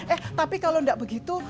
eh tapi kalau nggak begitu